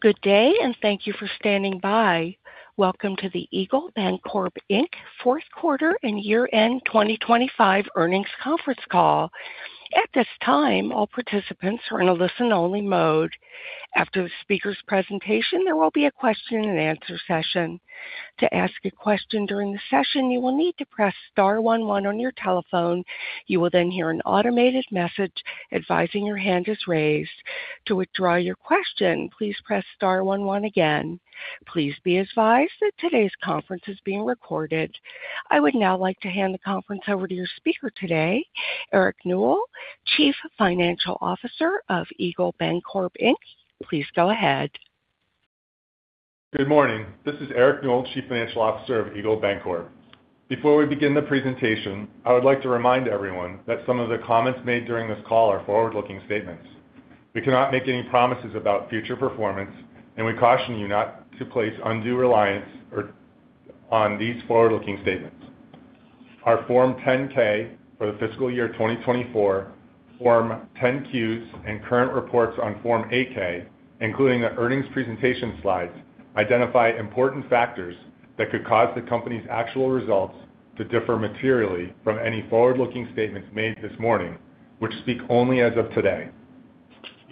Good day, and thank you for standing by. Welcome to the Eagle Bancorp, Inc. Fourth Quarter and Year-End 2025 Earnings Conference Call. At this time, all participants are in a listen-only mode. After the speaker's presentation, there will be a question-and-answer session. To ask a question during the session, you will need to press star one one on your telephone. You will then hear an automated message advising your hand is raised. To withdraw your question, please press star one one again. Please be advised that today's conference is being recorded. I would now like to hand the conference over to your speaker today, Eric Newell, Chief Financial Officer of Eagle Bancorp, Inc. Please go ahead. Good morning. This is Eric Newell, Chief Financial Officer of Eagle Bancorp. Before we begin the presentation, I would like to remind everyone that some of the comments made during this call are forward-looking statements. We cannot make any promises about future performance, and we caution you not to place undue reliance on these forward-looking statements. Our Form 10-K for the fiscal year 2024, Form 10-Qs, and current reports on Form 8-K, including the earnings presentation slides, identify important factors that could cause the company's actual results to differ materially from any forward-looking statements made this morning, which speak only as of today.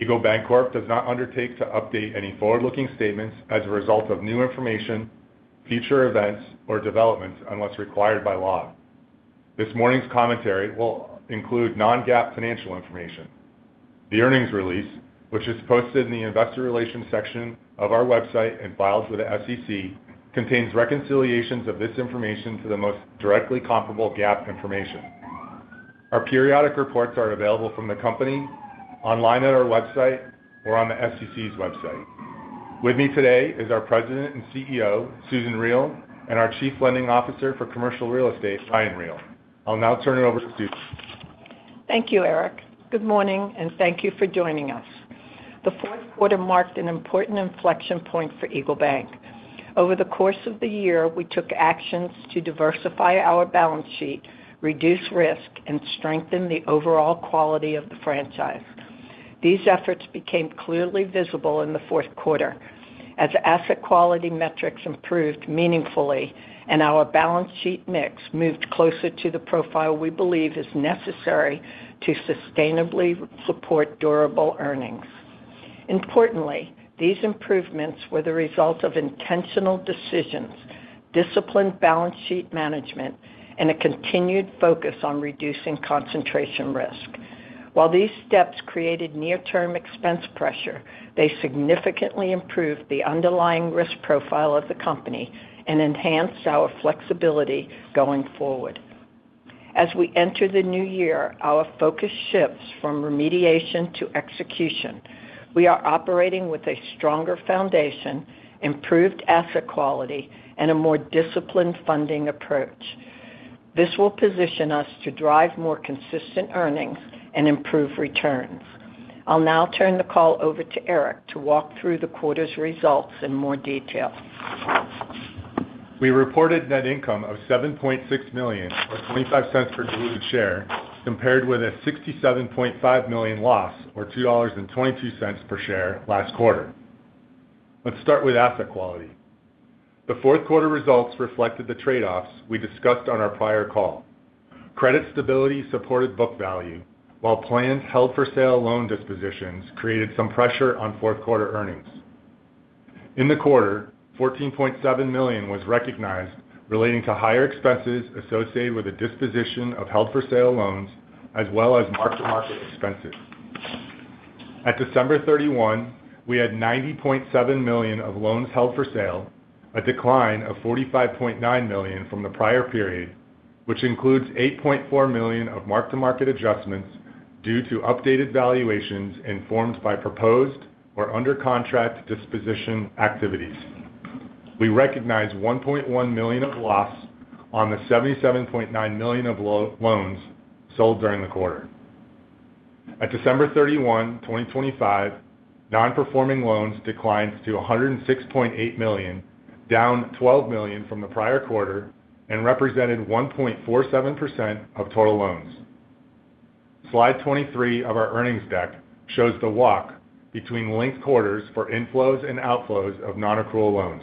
Eagle Bancorp does not undertake to update any forward-looking statements as a result of new information, future events, or developments unless required by law. This morning's commentary will include non-GAAP financial information. The earnings release, which is posted in the investor relations section of our website and filed with the SEC, contains reconciliations of this information to the most directly comparable GAAP information. Our periodic reports are available from the company, online at our website, or on the SEC's website. With me today is our President and CEO, Susan Riel, and our Chief Lending Officer for Commercial Real Estate, Ryan Riel. I'll now turn it over to Susan. Thank you, Eric. Good morning, and thank you for joining us. The fourth quarter marked an important inflection point for Eagle Bancorp. Over the course of the year, we took actions to diversify our balance sheet, reduce risk, and strengthen the overall quality of the franchise. These efforts became clearly visible in the fourth quarter as asset quality metrics improved meaningfully and our balance sheet mix moved closer to the profile we believe is necessary to sustainably support durable earnings. Importantly, these improvements were the result of intentional decisions, disciplined balance sheet management, and a continued focus on reducing concentration risk. While these steps created near-term expense pressure, they significantly improved the underlying risk profile of the company and enhanced our flexibility going forward. As we enter the new year, our focus shifts from remediation to execution. We are operating with a stronger foundation, improved asset quality, and a more disciplined funding approach. This will position us to drive more consistent earnings and improve returns. I'll now turn the call over to Eric to walk through the quarter's results in more detail. We reported net income of $7.6 million, or $0.25 per diluted share, compared with a $67.5 million loss, or $2.22 per share, last quarter. Let's start with asset quality. The fourth quarter results reflected the trade-offs we discussed on our prior call. Credit stability supported book value, while planned held-for-sale loan dispositions created some pressure on fourth quarter earnings. In the quarter, $14.7 million was recognized relating to higher expenses associated with the disposition of held-for-sale loans, as well as mark-to-market expenses. At December 31, we had $90.7 million of loans held for sale, a decline of $45.9 million from the prior period, which includes $8.4 million of mark-to-market adjustments due to updated valuations informed by proposed or under contract disposition activities. We recognized $1.1 million of loss on the $77.9 million of loans sold during the quarter. At December 31, 2025, non-performing loans declined to $106.8 million, down $12 million from the prior quarter, and represented 1.47% of total loans. Slide 23 of our earnings deck shows the walk between linked quarters for inflows and outflows of non-accrual loans.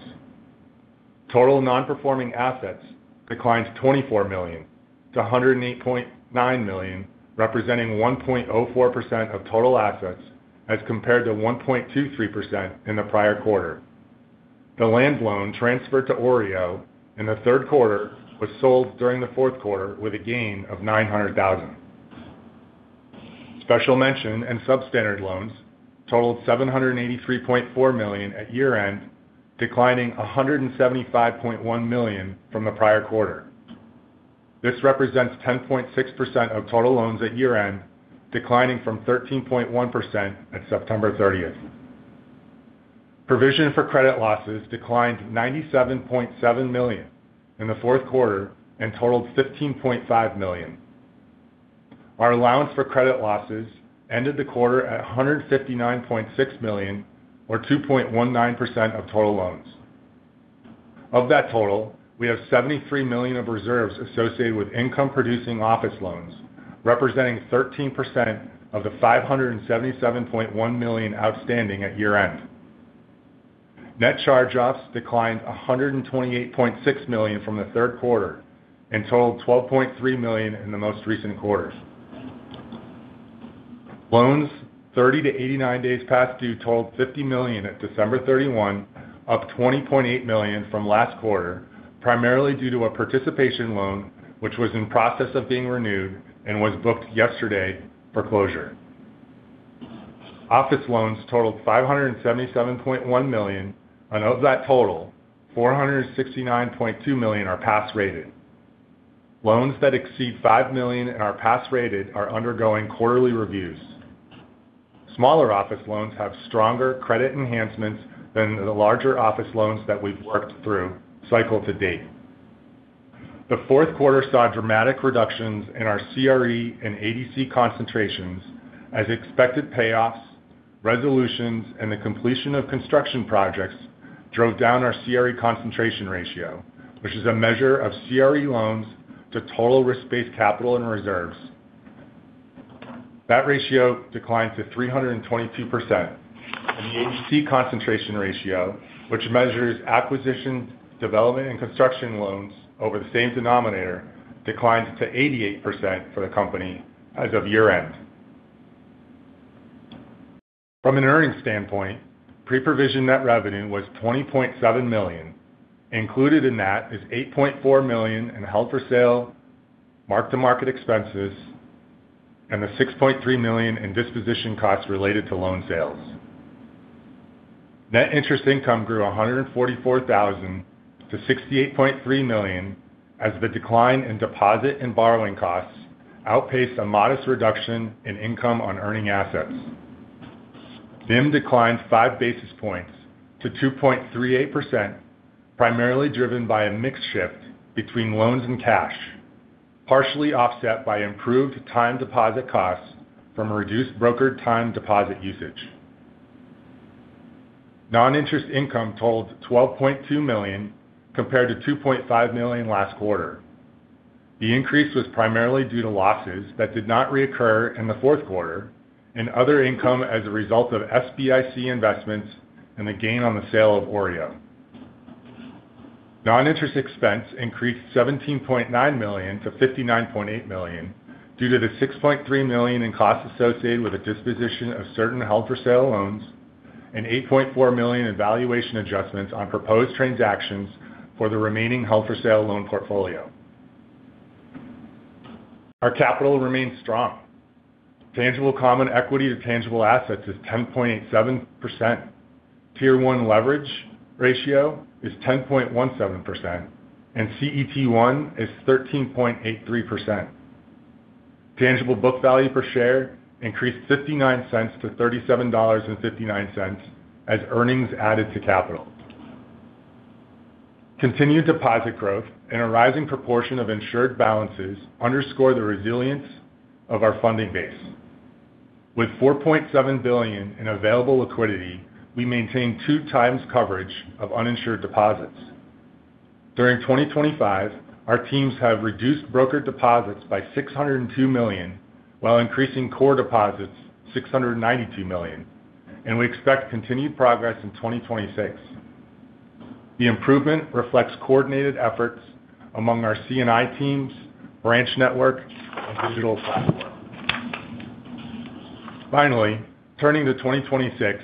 Total non-performing assets declined $24 million to $108.9 million, representing 1.04% of total assets as compared to 1.23% in the prior quarter. The land loan transferred to OREO in the third quarter was sold during the fourth quarter with a gain of $900,000. Special mention and substandard loans totaled $783.4 million at year-end, declining $175.1 million from the prior quarter. This represents 10.6% of total loans at year-end, declining from 13.1% at September 30. Provision for credit losses declined $97.7 million in the fourth quarter and totaled $15.5 million. Our allowance for credit losses ended the quarter at $159.6 million, or 2.19% of total loans. Of that total, we have $73 million of reserves associated with income-producing office loans, representing 13% of the $577.1 million outstanding at year-end. Net charge-offs declined $128.6 million from the third quarter and totaled $12.3 million in the most recent quarter. Loans 30 to 89 days past due totaled $50 million at December 31, up $20.8 million from last quarter, primarily due to a participation loan which was in process of being renewed and was booked yesterday for closure. Office loans totaled $577.1 million. Of that total, $469.2 million are pass-rated. Loans that exceed $5 million and are pass-rated are undergoing quarterly reviews. Smaller office loans have stronger credit enhancements than the larger office loans that we've worked through cycle to date. The fourth quarter saw dramatic reductions in our CRE and ADC concentrations, as expected payoffs, resolutions, and the completion of construction projects drove down our CRE concentration ratio, which is a measure of CRE loans to total risk-based capital and reserves. That ratio declined to 322%, and the ADC concentration ratio, which measures acquisition, development, and construction loans over the same denominator, declined to 88% for the company as of year-end. From an earnings standpoint, pre-provision net revenue was $20.7 million. Included in that is $8.4 million in held-for-sale, mark-to-market expenses, and the $6.3 million in disposition costs related to loan sales. Net interest income grew $144,000 to $68.3 million as the decline in deposit and borrowing costs outpaced a modest reduction in income on earning assets. NIM declined five basis points to 2.38%, primarily driven by a mix shift between loans and cash, partially offset by improved time deposit costs from reduced brokered time deposit usage. Non-interest income totaled $12.2 million compared to $2.5 million last quarter. The increase was primarily due to losses that did not reoccur in the fourth quarter and other income as a result of SBIC investments and the gain on the sale of OREO. Non-interest expense increased $17.9 million to $59.8 million due to the $6.3 million in costs associated with the disposition of certain held-for-sale loans and $8.4 million in valuation adjustments on proposed transactions for the remaining held-for-sale loan portfolio. Our capital remains strong. Tangible common equity to tangible assets is 10.87%. Tier 1 leverage ratio is 10.17%, and CET1 is 13.83%. Tangible book value per share increased $0.59 to $37.59 as earnings added to capital. Continued deposit growth and a rising proportion of insured balances underscore the resilience of our funding base. With $4.7 billion in available liquidity, we maintain 2x coverage of uninsured deposits. During 2025, our teams have reduced brokered deposits by $602 million, while increasing core deposits by $692 million, and we expect continued progress in 2026. The improvement reflects coordinated efforts among our C&I teams, branch network, and digital platform. Finally, turning to 2026,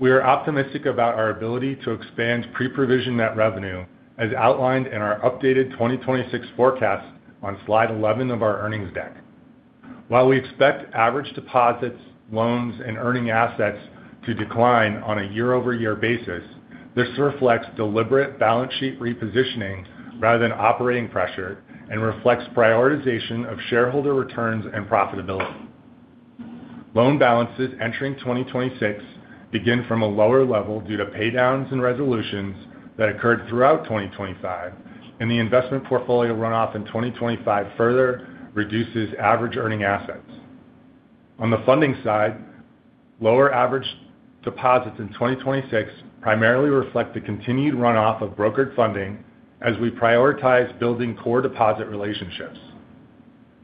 we are optimistic about our ability to expand pre-provision net revenue as outlined in our updated 2026 forecast on slide 11 of our earnings deck. While we expect average deposits, loans, and earning assets to decline on a year-over-year basis, this reflects deliberate balance sheet repositioning rather than operating pressure and reflects prioritization of shareholder returns and profitability. Loan balances entering 2026 begin from a lower level due to paydowns and resolutions that occurred throughout 2025, and the investment portfolio runoff in 2025 further reduces average earning assets. On the funding side, lower average deposits in 2026 primarily reflect the continued runoff of brokered funding as we prioritize building core deposit relationships.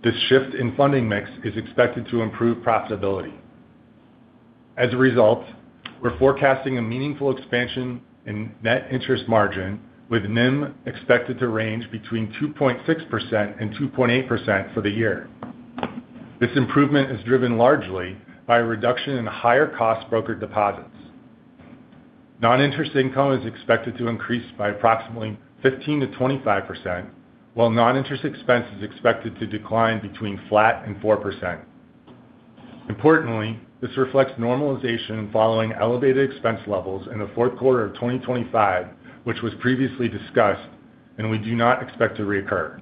This shift in funding mix is expected to improve profitability. As a result, we're forecasting a meaningful expansion in net interest margin, with NIM expected to range between 2.6%-2.8% for the year. This improvement is driven largely by a reduction in higher-cost brokered deposits. Non-interest income is expected to increase by approximately 15%-25%, while non-interest expense is expected to decline between flat and 4%. Importantly, this reflects normalization following elevated expense levels in the fourth quarter of 2025, which was previously discussed, and we do not expect to reoccur.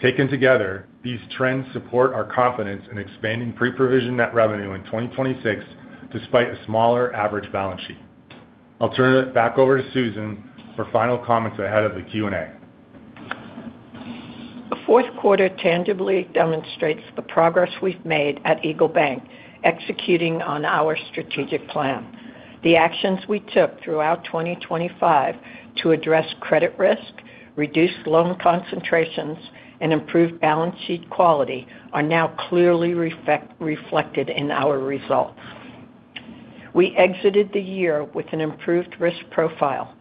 Taken together, these trends support our confidence in expanding pre-provision net revenue in 2026 despite a smaller average balance sheet. I'll turn it back over to Susan for final comments ahead of the Q&A. The fourth quarter tangibly demonstrates the progress we've made at Eagle Bancorp executing on our strategic plan. The actions we took throughout 2025 to address credit risk, reduce loan concentrations, and improve balance sheet quality are now clearly reflected in our results. We exited the year with an improved risk profile,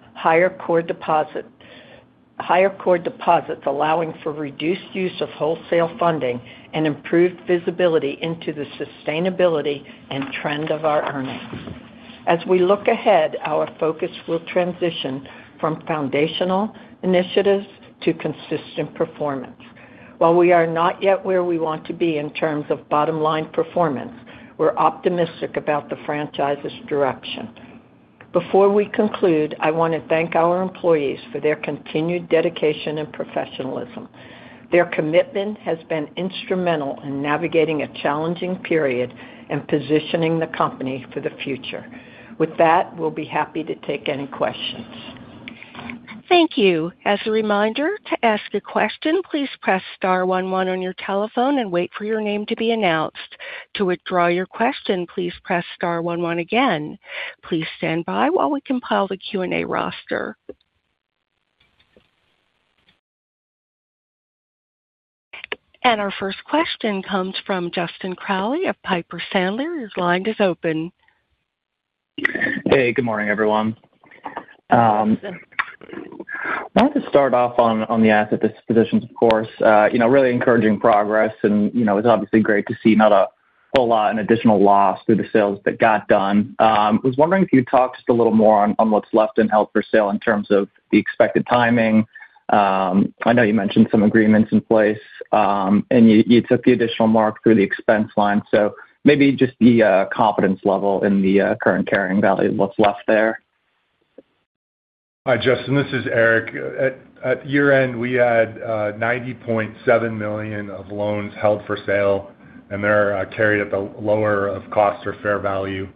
higher core deposits allowing for reduced use of wholesale funding, and improved visibility into the sustainability and trend of our earnings. As we look ahead, our focus will transition from foundational initiatives to consistent performance. While we are not yet where we want to be in terms of bottom-line performance, we're optimistic about the franchise's direction. Before we conclude, I want to thank our employees for their continued dedication and professionalism. Their commitment has been instrumental in navigating a challenging period and positioning the company for the future. With that, we'll be happy to take any questions. Thank you. As a reminder, to ask a question, please press star one one on your telephone and wait for your name to be announced. To withdraw your question, please press star one one again. Please stand by while we compile the Q&A roster. And our first question comes from Justin Crowley of Piper Sandler. His line is open. Hey, good morning, everyone. Good morning, Justin. I wanted to start off on the asset dispositions, of course. Really encouraging progress, and it's obviously great to see not a whole lot in additional loss through the sales that got done. I was wondering if you could talk just a little more on what's left in Held-for-Sale in terms of the expected timing. I know you mentioned some agreements in place, and you took the additional mark through the expense line. So maybe just the confidence level in the current carrying value of what's left there. Hi, Justin. This is Eric. At year-end, we had $90.7 million of loans held for sale, and they're carried at the lower of cost or fair value.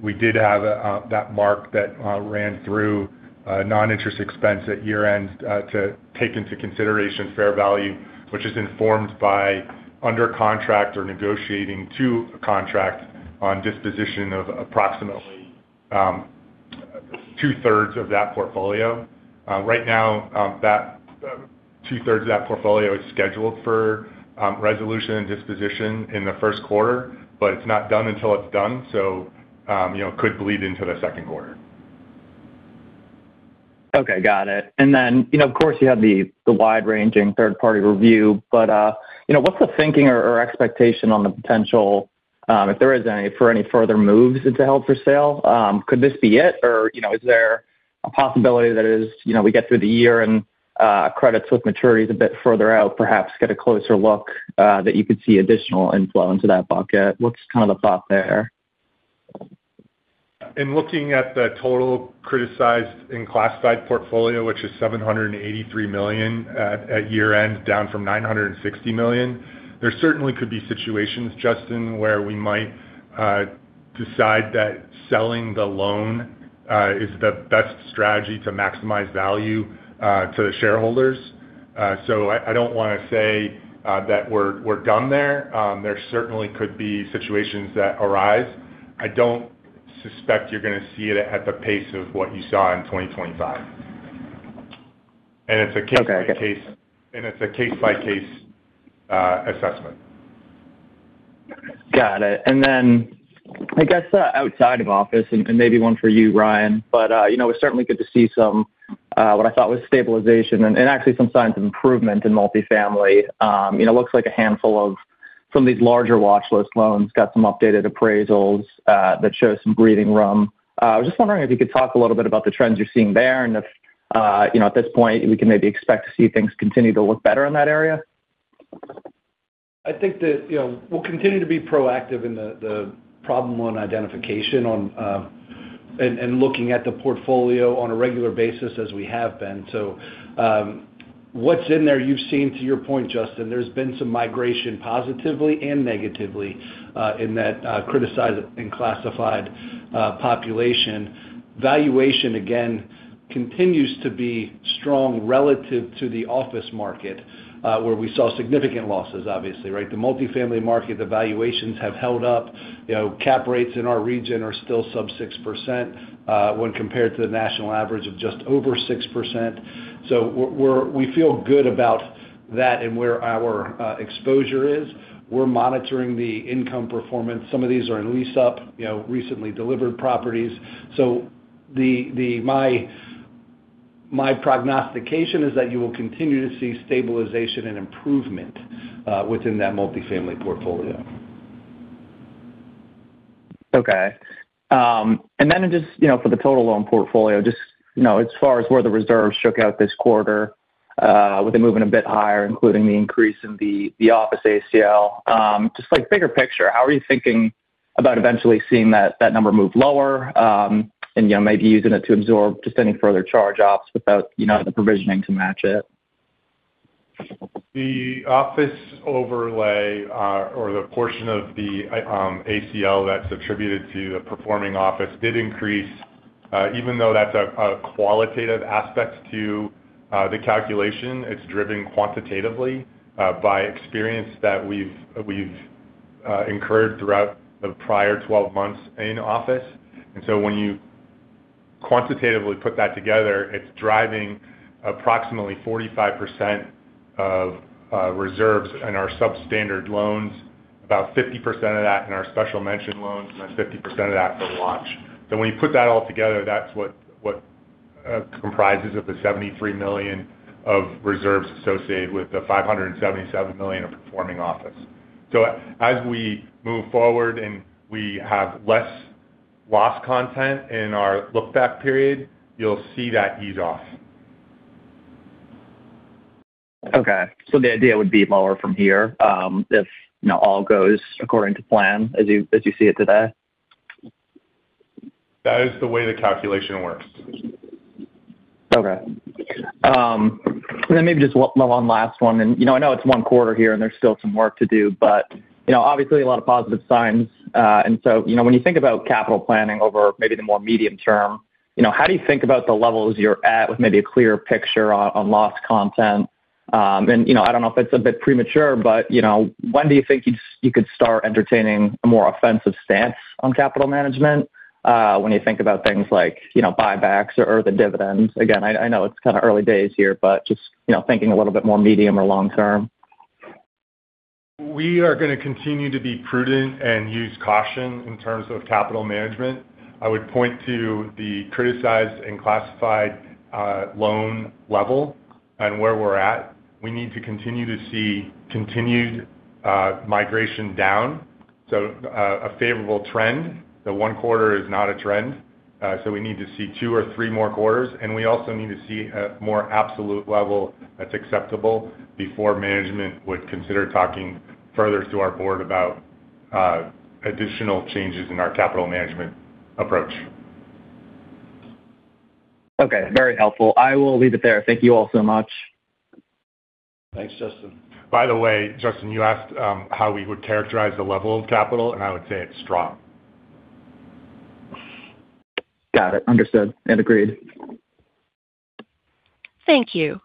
We did have that mark that ran through non-interest expense at year-end to take into consideration fair value, which is informed by under contract or negotiating to contract on disposition of approximately two-thirds of that portfolio. Right now, two-thirds of that portfolio is scheduled for resolution and disposition in the first quarter, but it's not done until it's done, so it could bleed into the second quarter. Okay, got it. And then, of course, you had the wide-ranging third-party review, but what's the thinking or expectation on the potential, if there is any, for any further moves into held-for-sale? Could this be it, or is there a possibility that as we get through the year and credits with maturities a bit further out, perhaps get a closer look that you could see additional inflow into that bucket? What's kind of the thought there? In looking at the total criticized and classified portfolio, which is $783 million at year-end, down from $960 million, there certainly could be situations, Justin, where we might decide that selling the loan is the best strategy to maximize value to the shareholders. So I don't want to say that we're done there. There certainly could be situations that arise. I don't suspect you're going to see it at the pace of what you saw in 2025. And it's a case-by-case assessment. Got it. And then, I guess outside of office, and maybe one for you, Ryan, but it was certainly good to see what I thought was stabilization and actually some signs of improvement in multifamily. It looks like a handful of some of these larger watchlist loans got some updated appraisals that show some breathing room. I was just wondering if you could talk a little bit about the trends you're seeing there and if, at this point, we can maybe expect to see things continue to look better in that area. I think that we'll continue to be proactive in the problem loan identification and looking at the portfolio on a regular basis as we have been, so what's in there you've seen, to your point, Justin, there's been some migration positively and negatively in that criticized and classified population. Valuation, again, continues to be strong relative to the office market, where we saw significant losses, obviously, right? The multifamily market, the valuations have held up. Cap rates in our region are still sub-6% when compared to the national average of just over 6%. So we feel good about that and where our exposure is, we're monitoring the income performance. Some of these are in lease-up, recently delivered properties, so my prognostication is that you will continue to see stabilization and improvement within that multifamily portfolio. Okay. And then just for the total loan portfolio, just as far as where the reserves shook out this quarter with a movement a bit higher, including the increase in the office ACL, just like bigger picture, how are you thinking about eventually seeing that number move lower and maybe using it to absorb just any further charge-offs without the provisioning to match it? The office overlay or the portion of the ACL that's attributed to the performing office did increase. Even though that's a qualitative aspect to the calculation, it's driven quantitatively by experience that we've incurred throughout the prior 12 months in office. And so when you quantitatively put that together, it's driving approximately 45% of reserves in our substandard loans, about 50% of that in our special mention loans, and then 50% of that for watch. So when you put that all together, that's what comprises of the $73 million of reserves associated with the $577 million of performing office. So as we move forward and we have less loss content in our look-back period, you'll see that ease off. Okay. So the idea would be lower from here if all goes according to plan as you see it today? That is the way the calculation works. Okay. And then maybe just one last one. And I know it's one quarter here and there's still some work to do, but obviously a lot of positive signs. And so when you think about capital planning over maybe the more medium term, how do you think about the levels you're at with maybe a clearer picture on loss content? And I don't know if it's a bit premature, but when do you think you could start entertaining a more offensive stance on capital management when you think about things like buybacks or the dividends? Again, I know it's kind of early days here, but just thinking a little bit more medium or long-term. We are going to continue to be prudent and use caution in terms of capital management. I would point to the criticized and classified loan level and where we're at. We need to continue to see continued migration down. So a favorable trend. The one quarter is not a trend. So we need to see two or three more quarters. And we also need to see a more absolute level that's acceptable before management would consider talking further to our board about additional changes in our capital management approach. Okay. Very helpful. I will leave it there. Thank you all so much. Thanks, Justin. By the way, Justin, you asked how we would characterize the level of capital, and I would say it's strong. Got it. Understood and agreed. Thank you.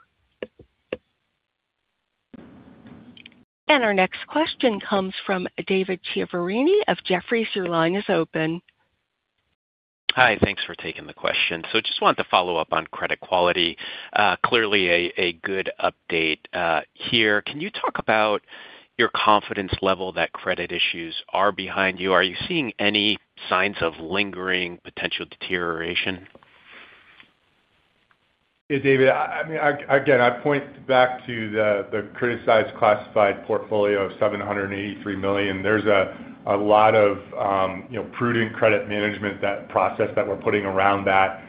And our next question comes from David Chiaverini of Jefferies. Your line is open. Hi. Thanks for taking the question. So just wanted to follow up on credit quality. Clearly a good update here. Can you talk about your confidence level that credit issues are behind you? Are you seeing any signs of lingering potential deterioration? Hey, David. I mean, again, I'd point back to the criticized classified portfolio of $783 million. There's a lot of prudent credit management process that we're putting around that.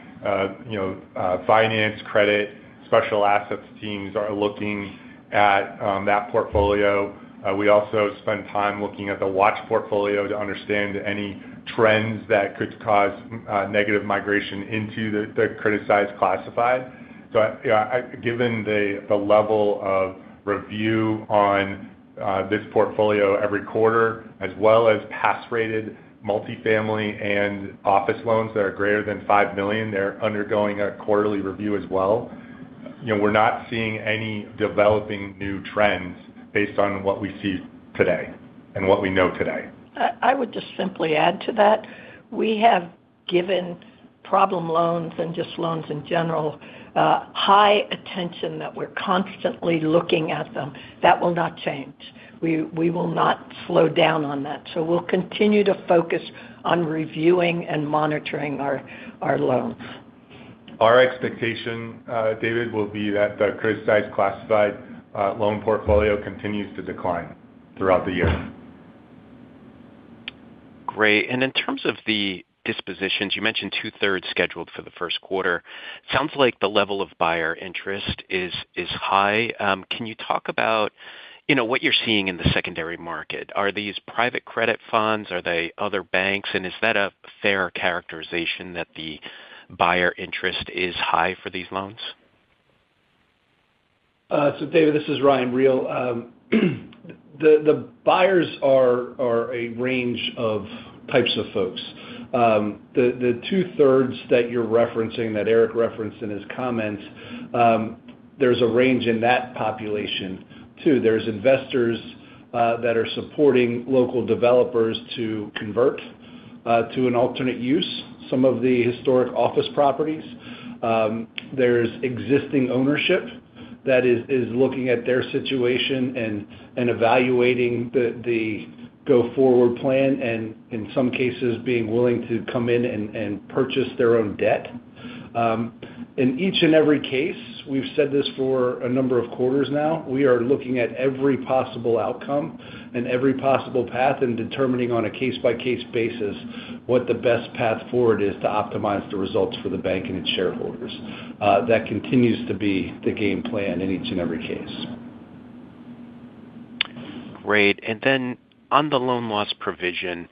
Finance, credit, special assets teams are looking at that portfolio. We also spend time looking at the watch portfolio to understand any trends that could cause negative migration into the criticized classified. So given the level of review on this portfolio every quarter, as well as pass-rated multifamily and office loans that are greater than $5 million, they're undergoing a quarterly review as well. We're not seeing any developing new trends based on what we see today and what we know today. I would just simply add to that. We have given problem loans and just loans in general high attention that we're constantly looking at them. That will not change. We will not slow down on that. So we'll continue to focus on reviewing and monitoring our loans. Our expectation, David, will be that the criticized classified loan portfolio continues to decline throughout the year. Great. And in terms of the dispositions, you mentioned two-thirds scheduled for the first quarter. Sounds like the level of buyer interest is high. Can you talk about what you're seeing in the secondary market? Are these private credit funds? Are they other banks? And is that a fair characterization that the buyer interest is high for these loans? So, David, this is Ryan Riel. The buyers are a range of types of folks. The two-thirds that you're referencing that Eric referenced in his comments, there's a range in that population too. There's investors that are supporting local developers to convert to an alternate use, some of the historic office properties. There's existing ownership that is looking at their situation and evaluating the go-forward plan and, in some cases, being willing to come in and purchase their own debt. In each and every case, we've said this for a number of quarters now, we are looking at every possible outcome and every possible path and determining on a case-by-case basis what the best path forward is to optimize the results for the bank and its shareholders. That continues to be the game plan in each and every case. Great. And then on the loan loss provision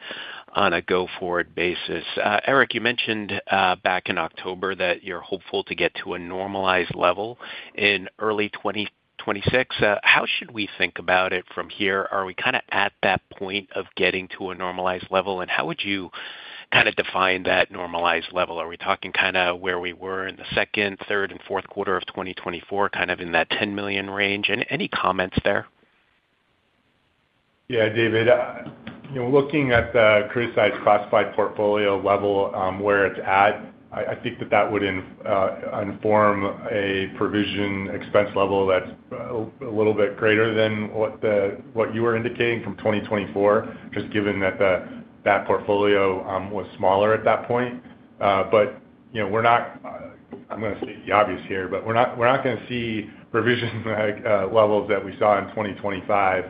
on a go-forward basis, Eric, you mentioned back in October that you're hopeful to get to a normalized level in early 2026. How should we think about it from here? Are we kind of at that point of getting to a normalized level? And how would you kind of define that normalized level? Are we talking kind of where we were in the second, third, and fourth quarter of 2024, kind of in that $10 million range? And any comments there? Yeah, David. Looking at the criticized classified portfolio level where it's at, I think that that would inform a provision expense level that's a little bit greater than what you were indicating from 2024, just given that that portfolio was smaller at that point. But we're not. I'm going to state the obvious here, but we're not going to see provision levels that we saw in 2025.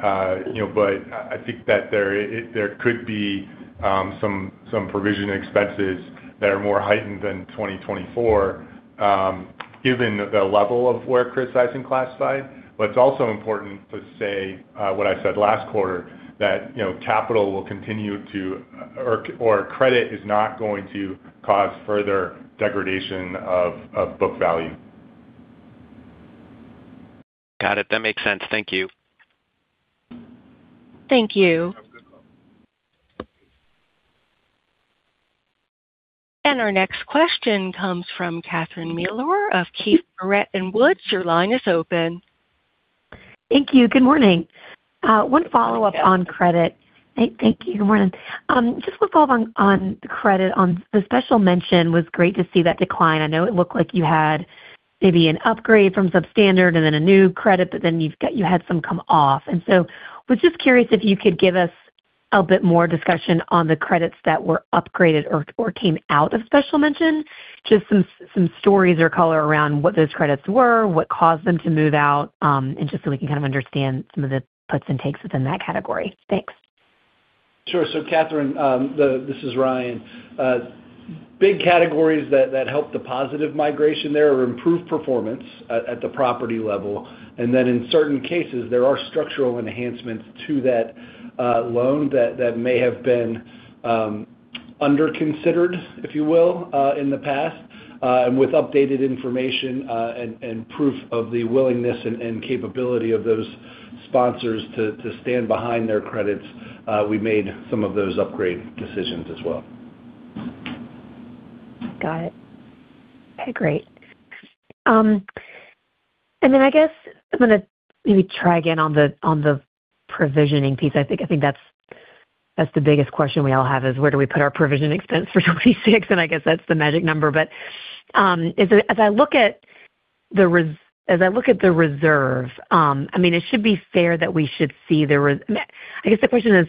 But I think that there could be some provision expenses that are more heightened than 2024, given the level of where the criticized classified. But it's also important to say what I said last quarter, that capital will continue to, or credit is not going to cause further degradation of book value. Got it. That makes sense. Thank you. Thank you. And our next question comes from Catherine Mealor of Keefe, Bruyette & Woods. Your line is open. Thank you. Good morning. Just want to follow up on the credit. On the special mention, it was great to see that decline. I know it looked like you had maybe an upgrade from substandard and then a new credit, but then you had some come off, and so I was just curious if you could give us a bit more discussion on the credits that were upgraded or came out of special mention, just some stories or color around what those credits were, what caused them to move out, and just so we can kind of understand some of the puts and takes within that category. Thanks. Sure. So, Catherine, this is Ryan. Big categories that helped the positive migration there are improved performance at the property level. And then in certain cases, there are structural enhancements to that loan that may have been under-considered, if you will, in the past. And with updated information and proof of the willingness and capability of those sponsors to stand behind their credits, we made some of those upgrade decisions as well. Got it. Okay. Great. And then I guess I'm going to maybe try again on the provisioning piece. I think that's the biggest question we all have is where do we put our provision expense for 2026? And I guess that's the magic number. But as I look at the reserve, I mean, it should be fair that we should see the. I guess the question is,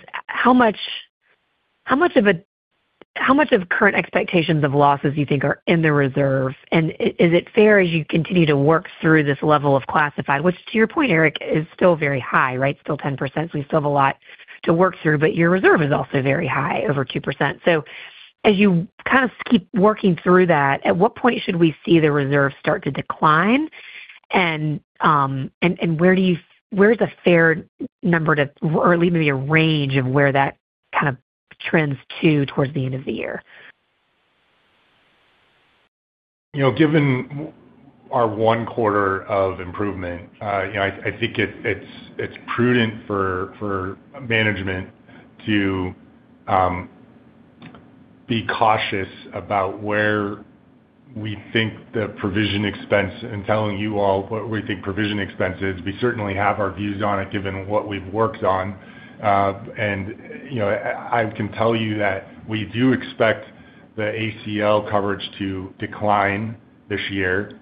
how much of current expectations of losses do you think are in the reserve? And is it fair as you continue to work through this level of classified, which to your point, Eric, is still very high, right? Still 10%. So we still have a lot to work through. But your reserve is also very high, over 2%. So as you kind of keep working through that, at what point should we see the reserve start to decline? And where's a fair number to, or at least maybe a range of where that kind of trends to towards the end of the year? Given our one quarter of improvement, I think it's prudent for management to be cautious about where we think the provision expense, and telling you all what we think provision expense is. We certainly have our views on it given what we've worked on. And I can tell you that we do expect the ACL coverage to decline this year.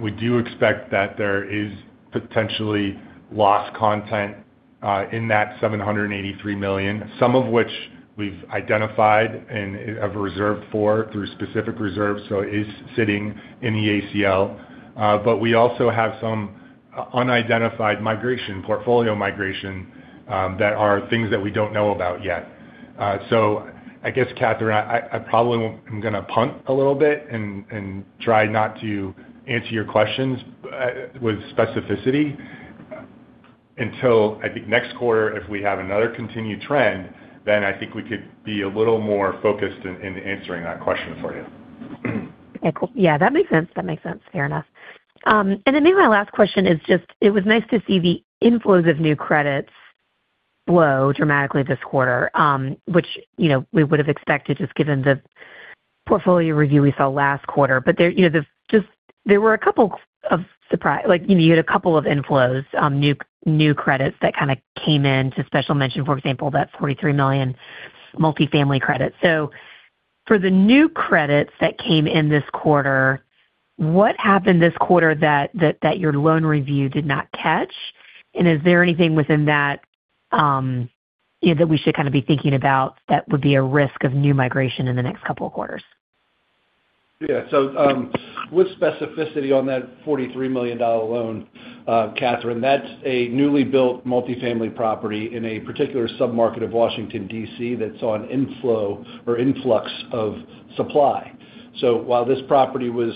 We do expect that there is potentially loss content in that $783 million, some of which we've identified and have reserved for through specific reserves. So it is sitting in the ACL. But we also have some unidentified migration, portfolio migration, that are things that we don't know about yet. So I guess, Catherine, I probably am going to punt a little bit and try not to answer your questions with specificity until I think next quarter, if we have another continued trend, then I think we could be a little more focused in answering that question for you. Yeah. That makes sense. That makes sense. Fair enough. And then maybe my last question is just it was nice to see the inflows of new credits flow dramatically this quarter, which we would have expected just given the portfolio review we saw last quarter. But there were a couple of surprises. You had a couple of inflows, new credits that kind of came into special mention, for example, that $43 million multifamily credit. So for the new credits that came in this quarter, what happened this quarter that your loan review did not catch? And is there anything within that that we should kind of be thinking about that would be a risk of new migration in the next couple of quarters? Yeah. So with specificity on that $43 million loan, Catherine, that's a newly built multifamily property in a particular submarket of Washington, D.C., that saw an inflow or influx of supply. So while this property was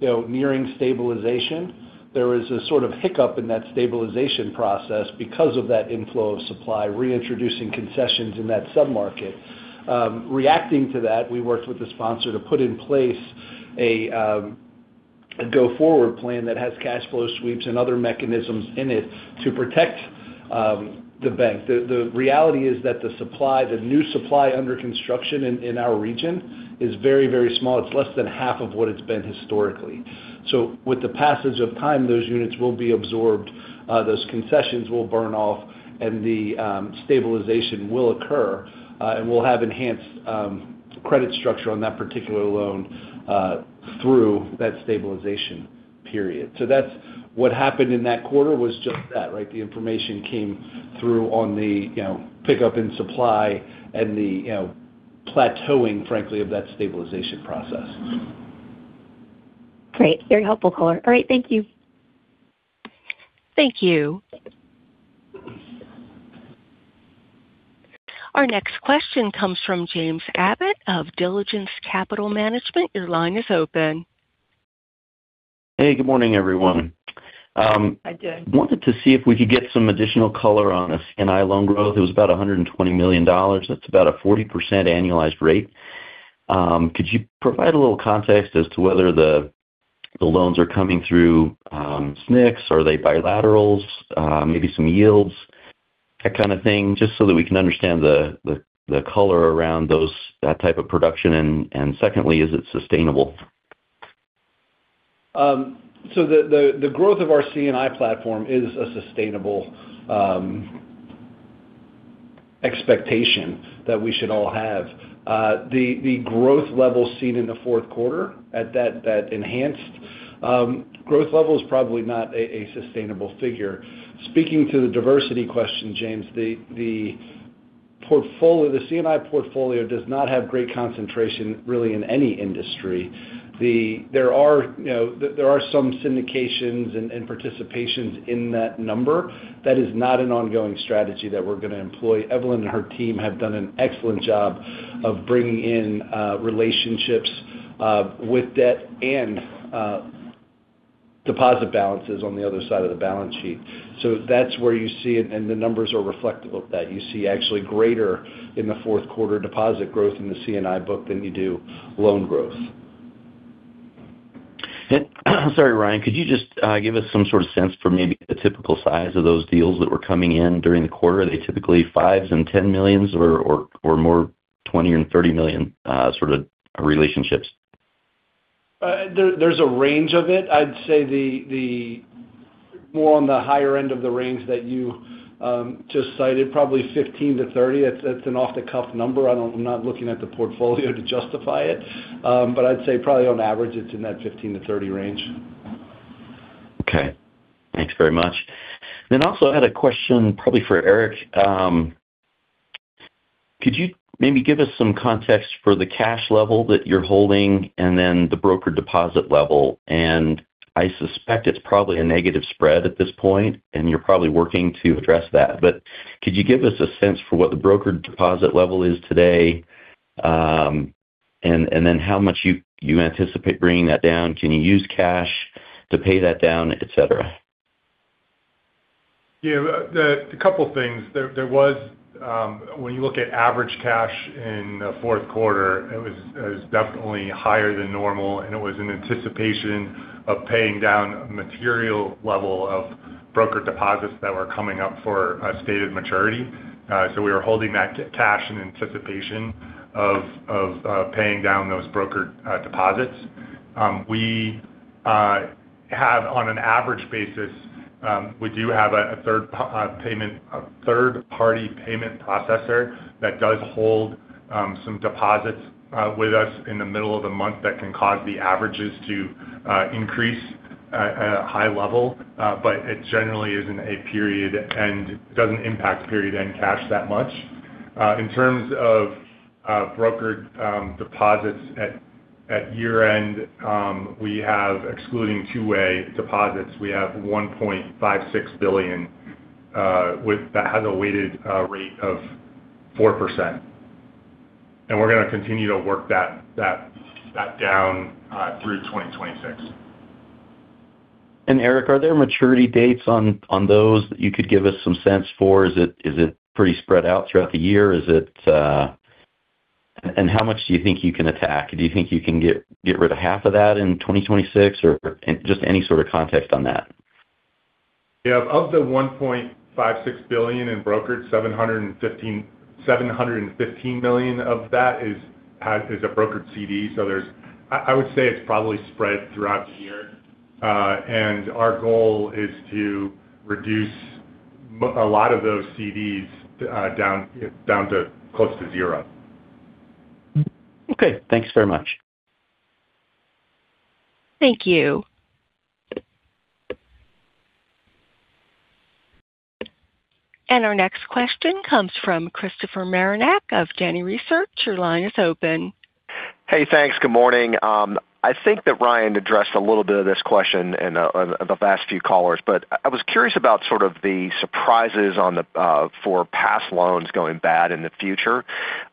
nearing stabilization, there was a sort of hiccup in that stabilization process because of that inflow of supply reintroducing concessions in that submarket. Reacting to that, we worked with the sponsor to put in place a go-forward plan that has cash flow sweeps and other mechanisms in it to protect the bank. The reality is that the supply, the new supply under construction in our region, is very, very small. It's less than half of what it's been historically. So with the passage of time, those units will be absorbed. Those concessions will burn off, and the stabilization will occur. And we'll have enhanced credit structure on that particular loan through that stabilization period. So that's what happened in that quarter was just that, right? The information came through on the pickup in supply and the plateauing, frankly, of that stabilization process. Great. Very helpful, Cole. All right. Thank you. Thank you. Our next question comes from James Abbott of Diligence Capital Management. Your line is open. Hey. Good morning, everyone. Hi, Jim. I wanted to see if we could get some additional color on SNC loan growth. It was about $120 million. That's about a 40% annualized rate. Could you provide a little context as to whether the loans are coming through SNCs? Are they bilaterals? Maybe some yields, that kind of thing, just so that we can understand the color around that type of production? And secondly, is it sustainable? So the growth of our C&I platform is a sustainable expectation that we should all have. The growth level seen in the fourth quarter at that enhanced growth level is probably not a sustainable figure. Speaking to the diversity question, James, the C&I portfolio does not have great concentration really in any industry. There are some syndications and participations in that number. That is not an ongoing strategy that we're going to employ. Evelyn and her team have done an excellent job of bringing in relationships with debt and deposit balances on the other side of the balance sheet. So that's where you see it, and the numbers are reflective of that. You see actually greater in the fourth quarter deposit growth in the C&I book than you do loan growth. Sorry, Ryan. Could you just give us some sort of sense for maybe the typical size of those deals that were coming in during the quarter? Are they typically $5 million and $10 million or more $20 million and $30 million sort of relationships? There's a range of it. I'd say more on the higher end of the range that you just cited, probably 15-30. That's an off-the-cuff number. I'm not looking at the portfolio to justify it. But I'd say probably on average, it's in that 15-30 range. Okay. Thanks very much. And then also I had a question probably for Eric. Could you maybe give us some context for the cash level that you're holding and then the brokered deposit level? And I suspect it's probably a negative spread at this point, and you're probably working to address that. But could you give us a sense for what the brokered deposit level is today and then how much you anticipate bringing that down? Can you use cash to pay that down, etc.? Yeah. A couple of things. When you look at average cash in the fourth quarter, it was definitely higher than normal, and it was in anticipation of paying down a material level of broker deposits that were coming up for stated maturity. So we were holding that cash in anticipation of paying down those broker deposits. On an average basis, we do have a third-party payment processor that does hold some deposits with us in the middle of the month that can cause the averages to increase at a high level. But it generally isn't a period and doesn't impact period-end cash that much. In terms of broker deposits at year-end, we have, excluding two-way deposits, we have $1.56 billion that has a weighted rate of 4%. And we're going to continue to work that down through 2026. Eric, are there maturity dates on those that you could give us some sense for? Is it pretty spread out throughout the year? How much do you think you can attack? Do you think you can get rid of half of that in 2026 or just any sort of context on that? Yeah. Of the $1.56 billion in brokered, $715 million of that is a brokered CD. So I would say it's probably spread throughout the year and our goal is to reduce a lot of those CDs down to close to zero. Okay. Thanks very much. Thank you. And our next question comes from Christopher Marinac of Janney Research. Your line is open. Hey. Thanks. Good morning. I think that Ryan addressed a little bit of this question in the last few callers. But I was curious about sort of the surprises for pass loans going bad in the future.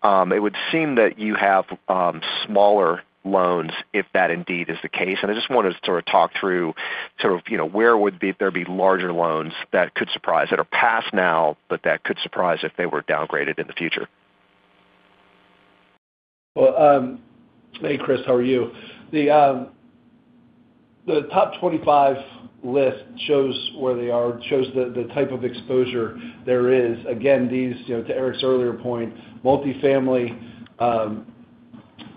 It would seem that you have smaller loans if that indeed is the case. And I just wanted to sort of talk through sort of where would there be larger loans that could surprise that are pass now, but that could surprise if they were downgraded in the future. Hey, Chris, how are you? The top 25 list shows where they are, shows the type of exposure there is. Again, to Eric's earlier point, multifamily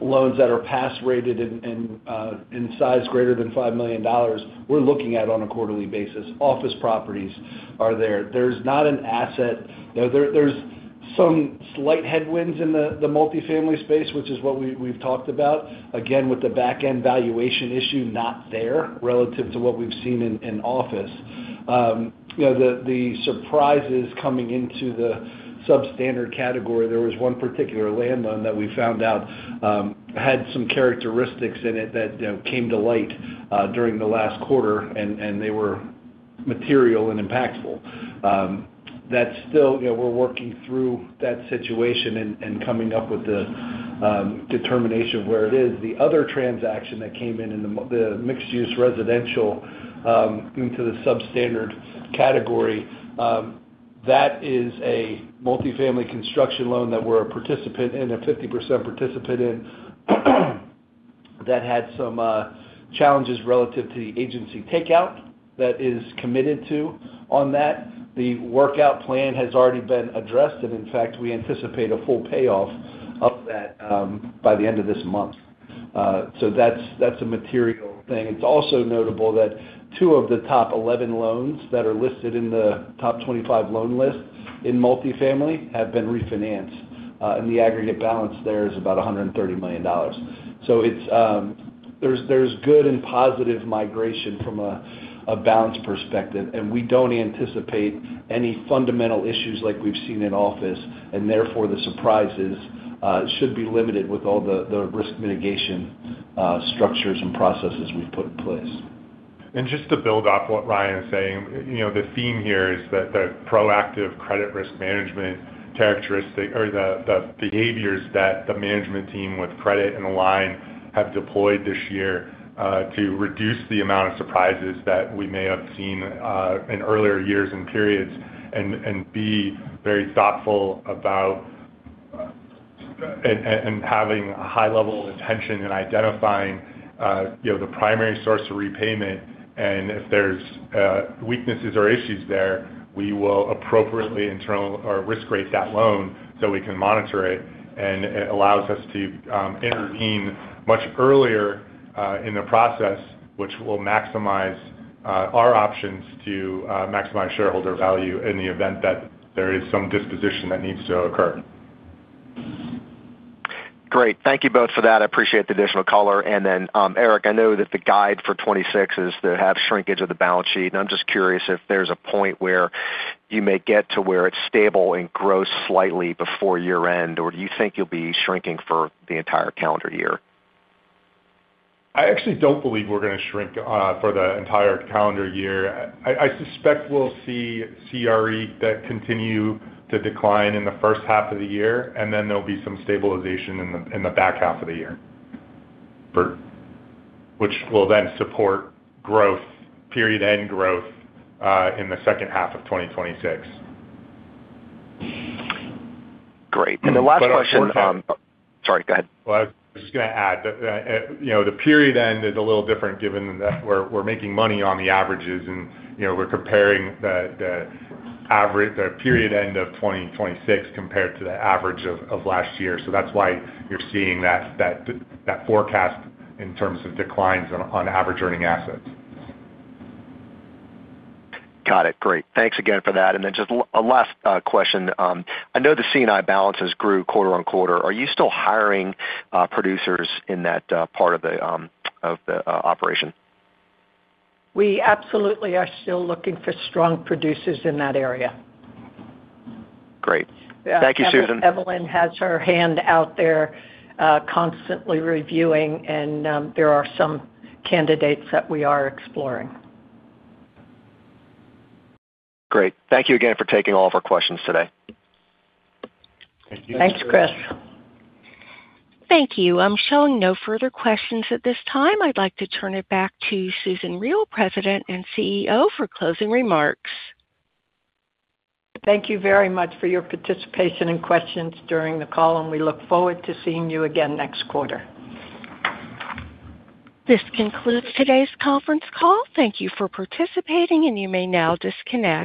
loans that are pass-rated and in size greater than $5 million, we're looking at on a quarterly basis. Office properties are there. There's not an asset. There's some slight headwinds in the multifamily space, which is what we've talked about. Again, with the back-end valuation issue not there relative to what we've seen in office. The surprises coming into the substandard category, there was one particular land loan that we found out had some characteristics in it that came to light during the last quarter, and they were material and impactful. That's still we're working through that situation and coming up with the determination of where it is. The other transaction that came in, the mixed-use residential into the Substandard category, that is a multifamily construction loan that we're a participant in, a 50% participant in, that had some challenges relative to the agency takeout that is committed to on that. The workout plan has already been addressed, and in fact, we anticipate a full payoff of that by the end of this month, so that's a material thing. It's also notable that two of the top 11 loans that are listed in the top 25 loan list in multifamily have been refinanced, and the aggregate balance there is about $130 million, so there's good and positive migration from a balance perspective, and we don't anticipate any fundamental issues like we've seen in office, and therefore, the surprises should be limited with all the risk mitigation structures and processes we've put in place. Just to build off what Ryan is saying, the theme here is that the proactive credit risk management characteristic or the behaviors that the management team with credit and the line have deployed this year to reduce the amount of surprises that we may have seen in earlier years and periods and be very thoughtful about and having a high level of attention and identifying the primary source of repayment. If there's weaknesses or issues there, we will appropriately risk rate that loan so we can monitor it. It allows us to intervene much earlier in the process, which will maximize our options to maximize shareholder value in the event that there is some disposition that needs to occur. Great. Thank you both for that. I appreciate the additional caller. And then Eric, I know that the guide for 2026 is to have shrinkage of the balance sheet. And I'm just curious if there's a point where you may get to where it's stable and grows slightly before year-end, or do you think you'll be shrinking for the entire calendar year? I actually don't believe we're going to shrink for the entire calendar year. I suspect we'll see CRE that continue to decline in the first half of the year, and then there'll be some stabilization in the back half of the year, which will then support period-end growth in the second half of 2026. Great. And the last question. I just want to. Sorry. Go ahead. I was just going to add that the period-end is a little different given that we're making money on the averages, and we're comparing the period-end of 2026 compared to the average of last year, so that's why you're seeing that forecast in terms of declines on average earning assets. Got it. Great. Thanks again for that. And then just a last question. I know the C&I balances grew quarter on quarter. Are you still hiring producers in that part of the operation? We absolutely are still looking for strong producers in that area. Great. Thank you, Susan. I think Evelyn has her hand out there constantly reviewing, and there are some candidates that we are exploring. Great. Thank you again for taking all of our questions today. Thank you. Thanks, Chris. Thank you. I'm showing no further questions at this time. I'd like to turn it back to Susan Riel, President and CEO, for closing remarks. Thank you very much for your participation and questions during the call, and we look forward to seeing you again next quarter. This concludes today's conference call. Thank you for participating, and you may now disconnect.